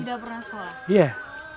bagaimana masa sekolah